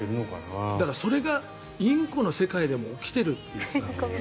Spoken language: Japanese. だからそれがインコの世界でも起きているっていうさ。